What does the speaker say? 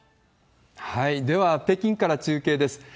では、北京から中継です。